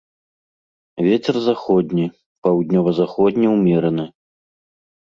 Вецер заходні, паўднёва-заходні ўмераны.